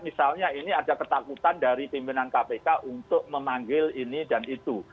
misalnya ini ada ketakutan dari pimpinan kpk untuk memanggil ini dan itu